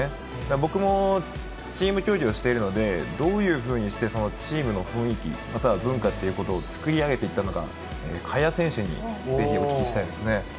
僕もチーム競技をしているので、どういうふうにしてチームの雰囲気、または文化ということを作り上げていったのか。